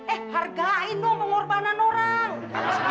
eh hargain dong pengorbanan orang